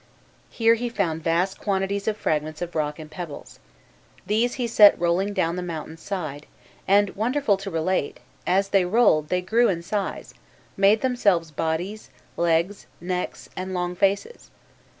Here he found vast quantities of fragments of rock and pebbles. These he set rolling down the mountain's side, and, wonderful to relate, as they rolled they grew in size, made themselves bodies, legs, necks, and long faces.